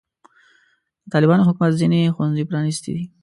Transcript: د طالبانو حکومت ځینې ښوونځي پرانستې دي.